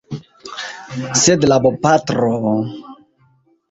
Sed la bopatro…